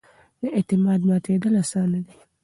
د اعتماد ماتېدل اسانه دي